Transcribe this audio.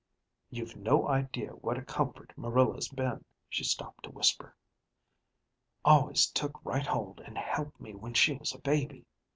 "You've no idea what a comfort Marilla's been," she stopped to whisper. "Always took right hold and helped me when she was a baby.